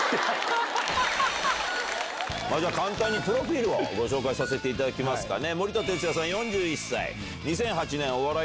じゃあ簡単にプロフィルをご紹介させていただきますかね。